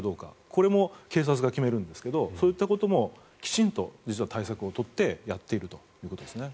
これも警察が決めるんですがそういったこともきちんと実は対策を取ってやっているということですね。